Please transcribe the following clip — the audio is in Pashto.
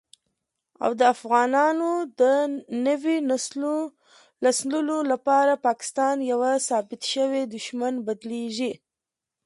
او دافغانانو دنويو نسلونو لپاره پاکستان په يوه ثابت شوي دښمن بدليږي